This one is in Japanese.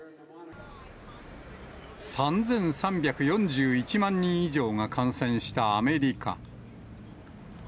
３３４１万人以上が感染したアメリカ。